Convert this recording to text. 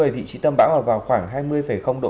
vị trí tâm bão ở vào khoảng hai mươi độ